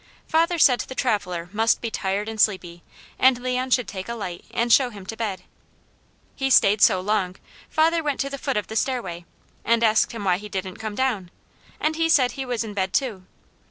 Father said the traveller must be tired and sleepy and Leon should take a light and show him to bed. He stayed so long father went to the foot of the stairway, and asked him why he didn't come down and he said he was in bed too.